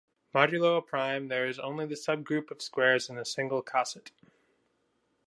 Modulo a prime, there is only the subgroup of squares and a single coset.